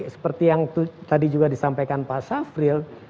seperti yang tadi juga disampaikan pak safril